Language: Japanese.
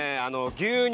牛乳